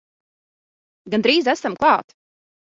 Gandrīz esam klāt!